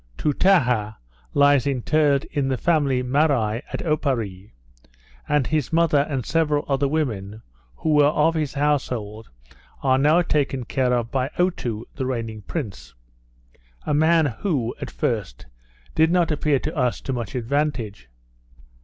Toutaha lies interred in the family Marai at Oparree; and his mother, and several other women who were of his household, are now taken care of by Otoo, the reigning prince a man who, at first, did not appear to us to much advantage.